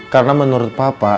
karena menurut papa